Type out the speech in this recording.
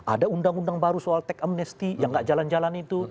ada undang undang baru soal teks amnesty yang gak jalan jalan itu